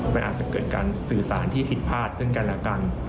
มันอาจจะเกิดการสื่อสารที่ผิดพลาดซึ่งกันและกัน